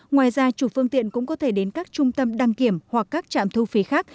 ngoài ra chủ phương tiện cũng có thể đến các trung tâm đăng kiểm hoặc các trạm thu phí khác